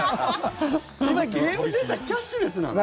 今、ゲームセンターキャッシュレスなの？